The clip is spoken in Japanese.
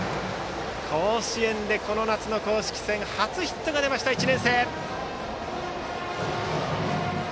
甲子園でこの夏の公式戦初ヒットが出ました、１年生。